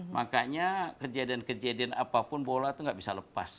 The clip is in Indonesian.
makanya kejadian kejadian apapun bola itu nggak bisa lepas